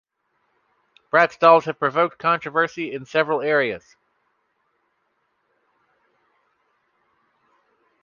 Bratz dolls have provoked controversy in several areas.